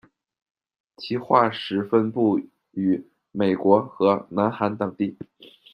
其化石分布于美国和南韩等地。